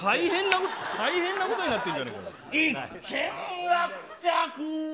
大変なことになってんじゃね一件落着！